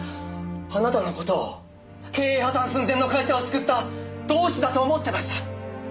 あなたの事を経営破たん寸前の会社を救った同志だと思ってました。